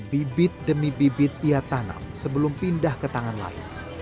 bibit demi bibit ia tanam sebelum pindah ke tangan lain